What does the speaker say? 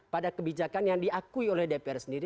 pada kebijakan yang diakui oleh dpr sendiri